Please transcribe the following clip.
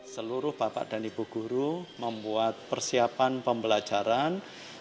seluruh bapak dan ibu guru membuat persiapan pembelajaran